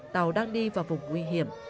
tàu đang đi vào vùng nguy hiểm